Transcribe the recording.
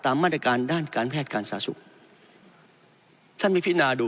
ตามมาตรการด้านการแพทย์การสาสุปท่านมิพิณาดู